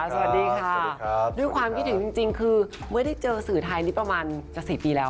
สวัสดีค่ะด้วยความคิดถึงจริงคือไม่ได้เจอสื่อไทยนี่ประมาณจะ๔ปีแล้ว